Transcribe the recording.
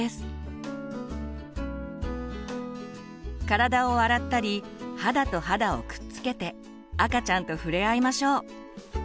体を洗ったり肌と肌をくっつけて赤ちゃんと触れ合いましょう。